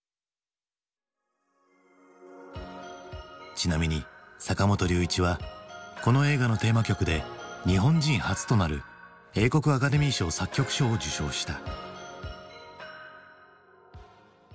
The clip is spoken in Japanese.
ちなみに坂本龍一はこの映画のテーマ曲で日本人初となる英国アカデミー賞作曲賞を受賞した。